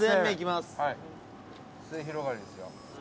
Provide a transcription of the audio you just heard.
末広がりですよ。